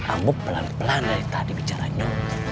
amuk pelan pelan dari tadi bicaranya